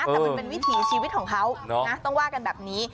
แต่มันเป็นวิถีชีวิตของเขาต้องว่ากันแบบนี้